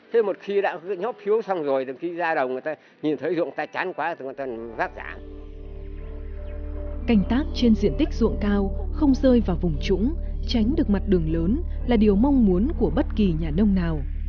canh tác trên diện tích ruộng cao không rơi vào vùng trũng tránh được mặt đường lớn là điều mong muốn của bất kỳ nhà nông nào